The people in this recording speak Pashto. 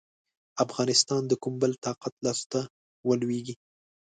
افغانستان د کوم بل طاقت لاسته ولوېږي.